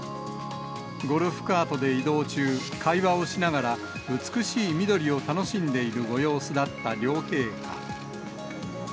ゴルフカートで移動中、会話をしながら、美しい緑を楽しんでいるご様子だった両陛下。